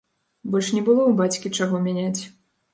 Больш не было ў бацькі чаго мяняць.